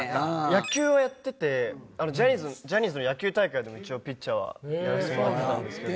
野球をやっててジャニーズの野球大会でも一応ピッチャーはやらせてもらってたんですけど。